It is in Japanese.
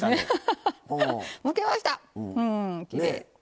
むけましたきれい。